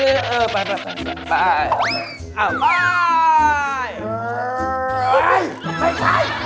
เฮ้ยไม่ใช่